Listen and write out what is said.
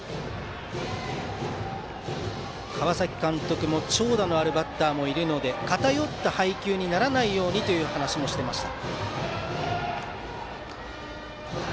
川崎監督も長打のあるバッターもいるので偏った配球にならないようにと話をしていました。